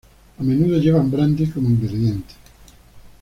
A menudo llevan "brandy" como ingrediente.